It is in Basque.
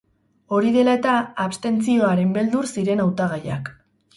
Hori dela eta, abstentzioaren beldur ziren hautagaiak.